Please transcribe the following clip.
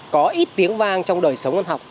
có ít tiếng vang trong đời sống văn học